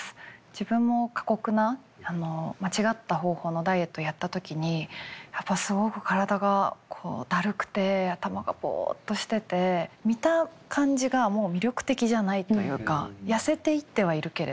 自分も過酷な間違った方法のダイエットをやった時にやっぱりすごく体がだるくて頭がボッとしてて見た感じがもう魅力的じゃないというか痩せていってはいるけれど。